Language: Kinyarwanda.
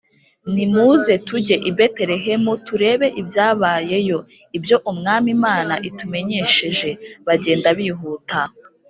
, Nimuze tujye i Betelehemu turebe ibyabayeyo, ibyo Umwami Imana itumenyesheje. Bagenda bihuta